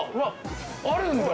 あるんだ。